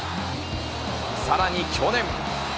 さらに去年。